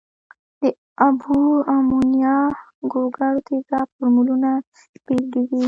د اوبو، امونیا، ګوګړو تیزاب فورمولونه بیلګې دي.